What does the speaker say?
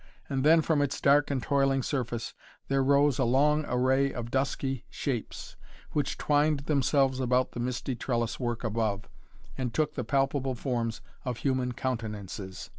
And then, from its dark and toiling surface, there rose a long array of dusky shapes, which twined themselves about the misty trellis work above and took the palpable forms of human countenances.